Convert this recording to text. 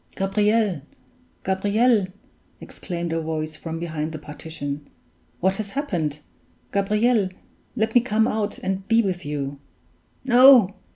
"Gabriel Gabriel!" exclaimed a voice from behind the partition. "What has happened? Gabriel! let me come out and be with you!" "No!